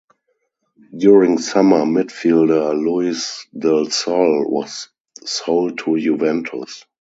During summer midfielder Luis Del Sol was sold to Juventus.